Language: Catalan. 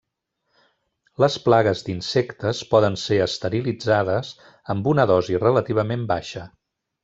Les plagues d'insectes poden ser esterilitzades amb una dosi relativament baixa.